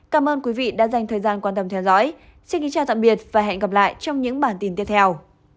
cảm ơn quý vị đã dành thời gian quan tâm theo dõi xin kính chào tạm biệt và hẹn gặp lại trong những bản tin tiếp theo